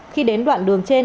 khi đến đoạn đường trên